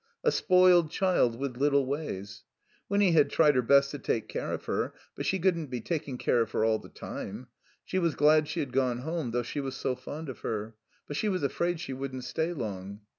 A spoiled child with little ways. Winny had tried her best to take care of her, but she cotddn't be taking care of her all the time. She was glad she had gone home, though she was so fond of her. But she was afraid she wouldn't stay long.